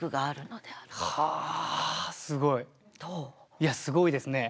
いやすごいですね。